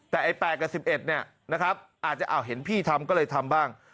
แต่ไอ้๘กับ๑๑เนี่ยนะครับอาจจะเห็นพี่ทำก็เลยทำบ้าง